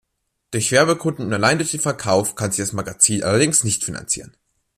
Durch Werbekunden und allein durch den Verkauf kann sich das Magazin allerdings nicht finanzieren.